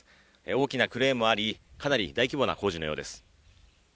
大きなクレーンもあり、かなり大規模な工事のようです。